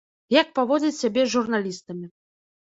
Як паводзіць сябе з журналістамі.